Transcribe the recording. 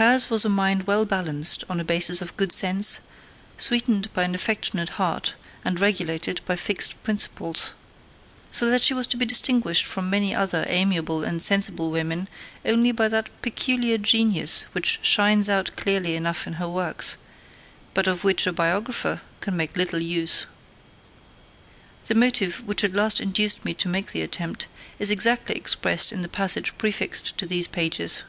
Hers was a mind well balanced on a basis of good sense, sweetened by an affectionate heart, and regulated by fixed principles; so that she was to be distinguished from many other amiable and sensible women only by that peculiar genius which shines out clearly enough in her works, but of which a biographer can make little use. The motive which at last induced me to make the attempt is exactly expressed in the passage prefixed to these pages.